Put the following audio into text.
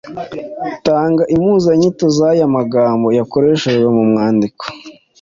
Tanga y’impuzanyito z’aya magambo yakoreshejwe mu mwandiko: